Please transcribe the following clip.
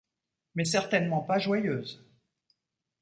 mais certainement pas joyeuse.